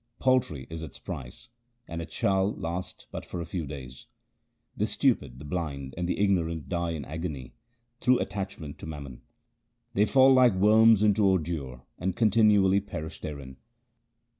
Paltry is its price, and it shall last but for a few days. The stupid, the blind, and the ignorant die in agony through attachment to mammon. M 2 164 THE SIKH RELIGION They fall like worms into ordure, and continually perish therein.